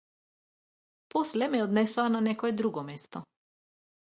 После ме однесоа на некое друго место.